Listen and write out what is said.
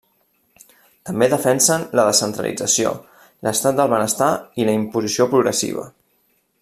També defensen la descentralització, l'estat del benestar i la imposició progressiva.